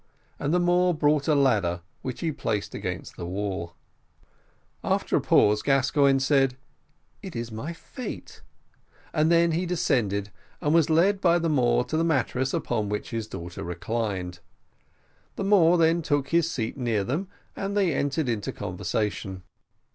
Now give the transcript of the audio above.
and the Moor brought a ladder, which he placed against the wall. After a pause, Gascoigne said, "It is my fate;" and he then descended, and was led by the Moor to the mattress upon which his daughter reclined. The Moor then took his seat near them, and they entered into conversation.